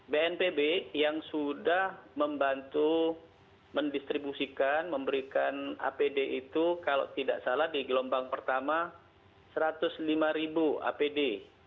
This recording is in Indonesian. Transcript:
bnpb yang sudah membantu mendistribusikan memberikan apd itu kalau tidak salah di gelombang pertama satu ratus lima ribu apd